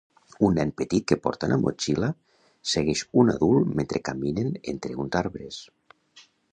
Un nen petit que porta una motxilla segueix un adult mentre caminen entre uns arbres.